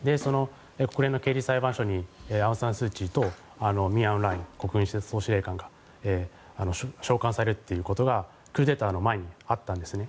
国連の刑事裁判所にアウンサンスーチーとミンアウンフライン国軍総司令官が召喚されるということがクーデターの前にあったんです。